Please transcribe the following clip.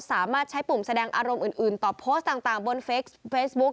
สามารถใช้ปุ่มแสดงอารมณ์อื่นต่อโพสต์ต่างบนเฟซบุ๊ก